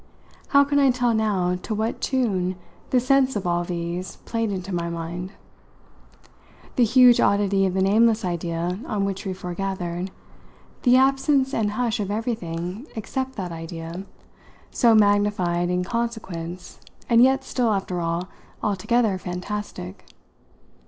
How can I tell now to what tune the sense of all these played into my mind? the huge oddity of the nameless idea on which we foregathered, the absence and hush of everything except that idea, so magnified in consequence and yet still, after all, altogether fantastic.